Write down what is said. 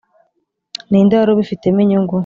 ninde wari ubifitemo inyungu?